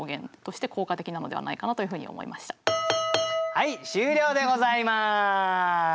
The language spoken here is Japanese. はい終了でございます。